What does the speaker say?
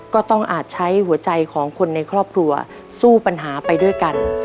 ก็ต้องอาจใช้หัวใจของคนในครอบครัวสู้ปัญหาไปด้วยกัน